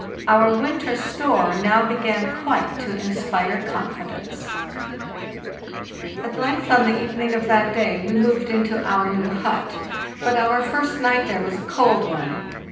Our winter store now began quite to inspire confi dence, At length, on the evening of that day, we moved into our new hut; but our first night there was a cold one.